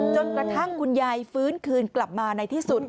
จนกระทั่งคุณยายฟื้นคืนกลับมาในที่สุด